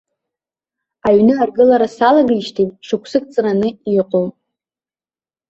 Аҩны аргылара салагеижьҭеи шықәсык ҵраны иҟоуп.